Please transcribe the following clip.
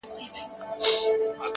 د لرې څراغونو کرښه د شپې حد ټاکي,